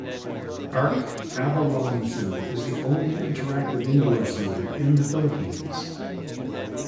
Ark Avilon Zoo is the only interactive indoor zoo in the Philippines.